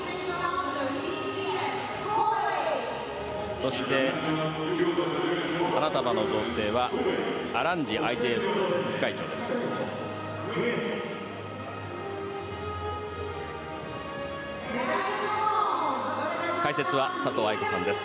そして、花束の贈呈はアランジ副会長です。